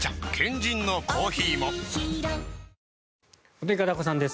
お天気、片岡さんです。